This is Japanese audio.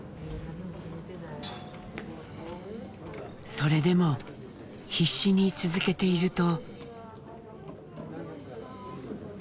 それでも必死に続けていると。